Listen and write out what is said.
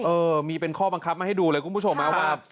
เออมีเป็นข้อบังคับมาให้ดูเลยคุณผู้ชมนะว่า